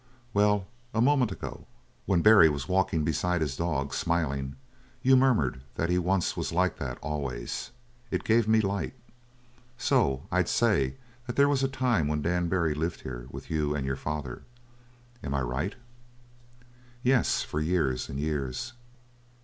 "Well, a moment ago, when Barry was walking beside his dog, smiling, you murmured that he once was like that always. It gave me light. So I'd say that there was a time when Dan Barry lived here with you and your father. Am I right?" "Yes, for years and years."